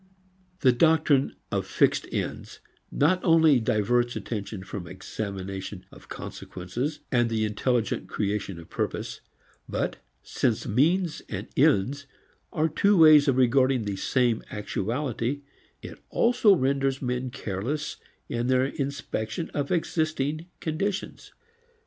The doctrine of fixed ends not only diverts attention from examination of consequences and the intelligent creation of purpose, but, since means and ends are two ways of regarding the same actuality, it also renders men careless in their inspection of existing conditions.